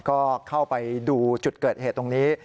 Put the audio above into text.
ก็เข้าไปดูจุดเกิดเหตุตรงนี้